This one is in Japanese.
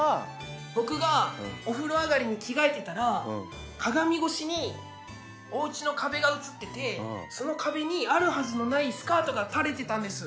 僕がお風呂上がりに着替えてたら鏡越しにおうちの壁が映っててその壁にあるはずのないスカートが垂れてたんです。